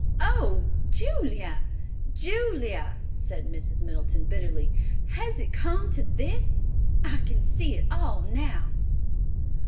"Oh, Julia, Julia!" said Mrs. Middleton bitterly, "has it come to this? I can see it all now!"